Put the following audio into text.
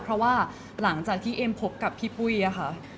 เพราะว่าหลังจากที่เอ็มพบกับพี่ปุ้ยค่ะ